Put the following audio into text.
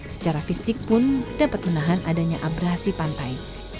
secara fisik pun dapat menahan adanya abrasi pantai